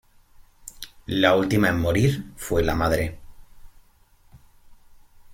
La última en morir fue la madre.